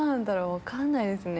分かんないですね。